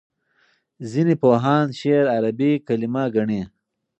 ځینې پوهان شعر عربي کلمه ګڼي.